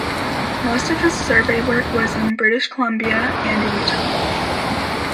Most of his survey work was in British Columbia, and Utah.